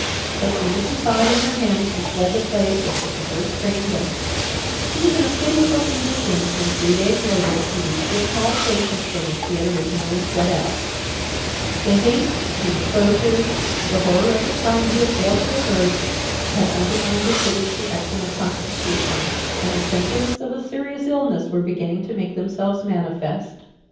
As soon as he saw it in her hands he fled the place and took the first train west. He was in a pitiable condition, when, three days later, he reached the small station from which he had originally set out. The haste, the exposure, the horror of the crime he had failed to avert, had undermined his hitherto excellent constitution, and the symptoms of a serious illness were beginning to make themselves manifest.